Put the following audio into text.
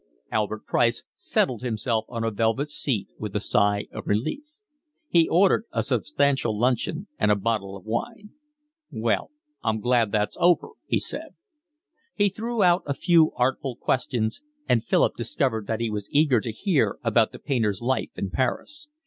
Albert Price settled himself on a velvet seat with a sigh of relief. He ordered a substantial luncheon and a bottle of wine. "Well, I'm glad that's over," he said. He threw out a few artful questions, and Philip discovered that he was eager to hear about the painter's life in Paris.